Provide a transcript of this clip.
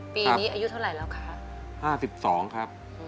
ปีนี้อายุเท่าไหร่แล้วคะ